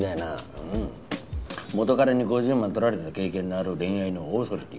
元カレに５０万取られた経験のある恋愛のオーソリティー。